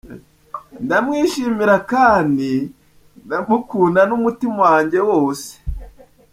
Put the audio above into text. Ndamwishimira kandi ndam, ukunda n’ umutima wanjye wose.